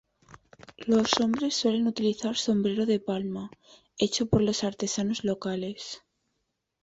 Los hombres suelen utilizar sombrero de palma, hecho por los artesanos locales.